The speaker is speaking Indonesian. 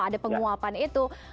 ada penguapan itu